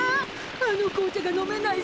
あの紅茶が飲めない